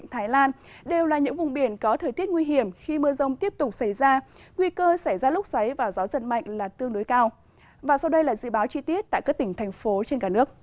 hãy đăng ký kênh để ủng hộ kênh của chúng mình nhé